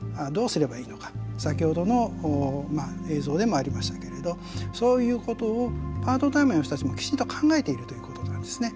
先ほどの映像でもありましたけれどそういうことをパートタイムの人たちもきちんと考えているということなんですね。